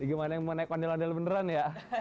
gimana yang mau naik ondel ondel beneran ya